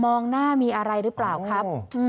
มองหน้ามีอะไรหรือเปล่าครับ